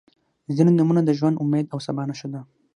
• ځینې نومونه د ژوند، امید او سبا نښه ده.